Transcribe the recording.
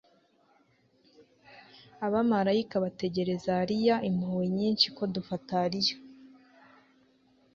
Abamaraika bategerezariya impuhwe nyinshi ko dufatariya